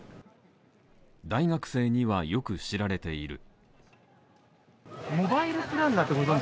大学生にはよく知られている。